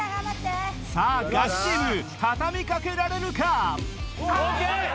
さぁガキチーム畳みかけられるか？